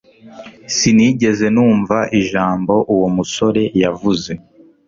Sinigeze numva ijambo uwo musore yavuze